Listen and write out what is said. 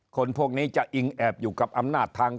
คนพวกนี้จะอิงแอบอยู่กับอำนาจทาง